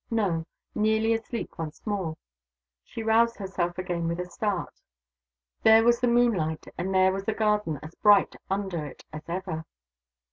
No! Nearly asleep once more. She roused herself again, with a start. There was the moonlight, and there was the garden as bright under it as ever.